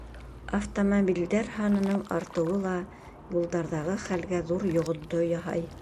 Автомобилдәр һаны артыуы ла юлдарҙағы хәлгә ҙур йоғонто яһай.